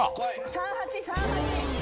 ３８３８。